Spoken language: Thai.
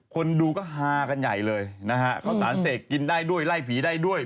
คนดูก็ฮากันใหญ่เลยนะฮะข้าวสารเสกกินได้ด้วยไล่ผีได้ด้วย